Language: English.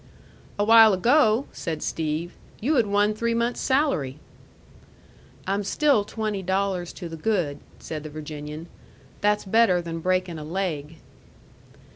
"Awhile ago," said Steve, "you had won three months' salary." "I'm still twenty dollars to the good," said the Virginian. "That's better than breaking a laig."